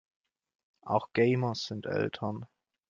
Auch Gamer sind Eltern.